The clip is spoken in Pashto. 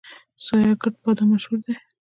سیاه ګرد بادام مشهور دي؟